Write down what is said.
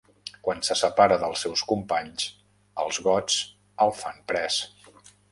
Quan se separa dels seus companys, els gots el fan pres.